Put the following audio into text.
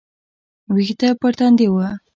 ويښته پر تندي وه.